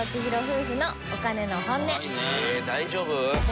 ええ大丈夫？